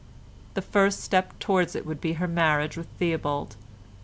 The first step towards it would be her marriage with Theobald.